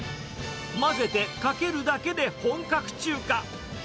混ぜてかけるだけで本格中華。